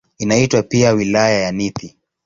Inaitwa pia "Wilaya ya Nithi".